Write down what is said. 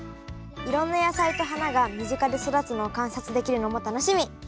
いろんな野菜と花が身近で育つのを観察できるのも楽しみ！